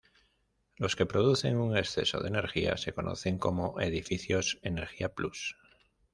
Los que producen un exceso de energía se conocen como edificios energía plus.